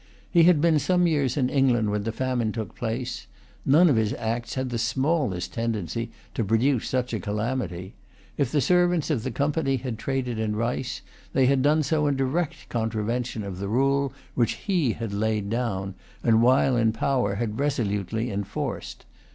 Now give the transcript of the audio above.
He had been some years in England when the famine took place. None of his acts had the smallest tendency to produce such a calamity. If the servants of the Company had traded in rice, they had done so in direct contravention of the rule which he had laid down, and, while in power, had resolutely enforced.